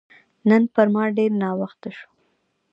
نن پر ما ډېر ناوخته شو